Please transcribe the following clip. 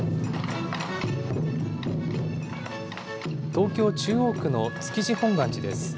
東京中央区の築地本願寺です。